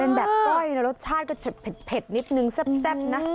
เป็นแบบก้อยนะรสชาติก็จะเผ็ดนิดนึงแซ่บนะ